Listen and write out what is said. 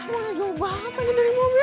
mau jauh banget lagi dari mobil